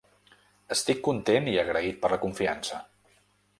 Estic content i agraït per la confiança.